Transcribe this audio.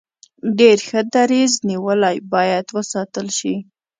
ډیر ښه دریځ نیولی باید وستایل شي.